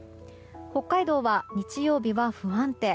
北海道は日曜日は不安定。